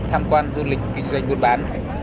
tham quan du lịch kinh doanh buôn bán